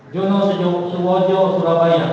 jono sewojo surabaya